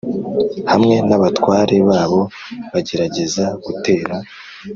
hamwe n abatware babo bagerageza gutera